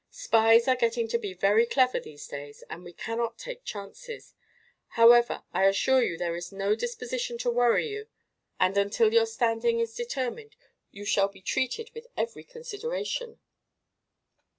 "Spies are getting to be very clever, these days, and we cannot take chances. However, I assure you there is no disposition to worry you and until your standing is determined you will be treated with every consideration."